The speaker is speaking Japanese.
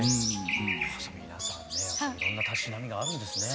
皆さんねいろんなたしなみがあるんですね。